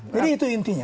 jadi itu intinya